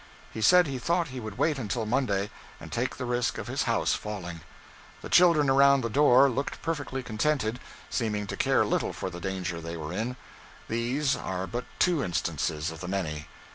He said he thought he would wait until Monday, and take the risk of his house falling. The children around the door looked perfectly contented, seeming to care little for the danger they were in. These are but two instances of the many.